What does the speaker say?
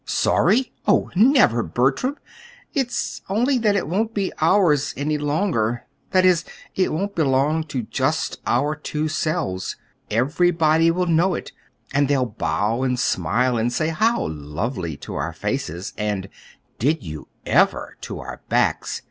"Sorry! Oh, never, Bertram! It's only that it won't be ours any longer that is, it won't belong to just our two selves. Everybody will know it. And they'll bow and smile and say 'How lovely!' to our faces, and 'Did you ever?' to our backs.